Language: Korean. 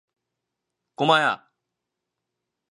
꼬마야!